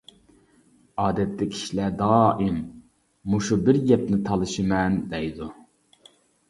ئادەتتە كىشىلەر دائىم: «مۇشۇ بىر گەپنى تالىشىمەن» دەيدۇ.